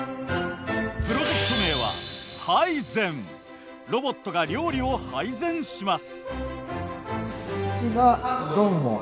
プロジェクト名はロボットが料理を配膳します。